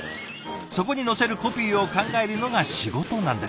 そこに載せるコピーを考えるのが仕事なんです。